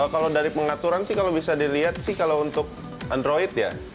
kalau dari pengaturan sih kalau bisa dilihat sih kalau untuk android ya